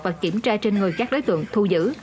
và kiểm tra trên người các đối tượng thu giữ